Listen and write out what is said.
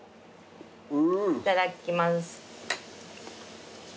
いただきます。